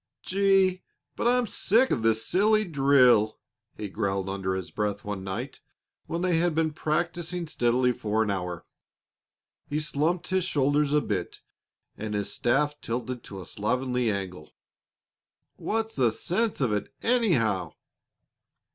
"Gee! but I'm sick of this silly drill!" he growled under his breath one night when they had been practising steadily for an hour. He slumped his shoulders a bit and his staff tilted to a slovenly angle. "What's the sense of it, anyhow?"